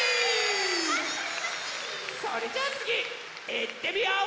それじゃあつぎいってみよう！